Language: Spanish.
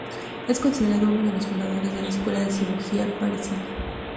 Es considerado uno de los fundadores de la escuela de cirugía parisina.